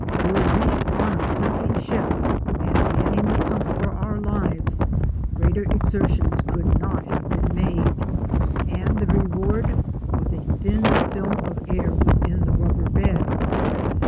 Were we on a sinking ship and manning the pumps for our lives, greater exertions could not have been made, and the reward was a thin film of air within the rubber bed.